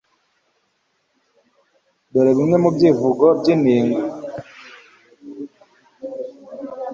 dore kimwe mu byivugo by'iningwa